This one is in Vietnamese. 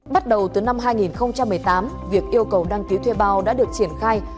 bắt đầu từ năm hai nghìn một mươi tám việc yêu cầu đăng ký thuê bao đã được triển khai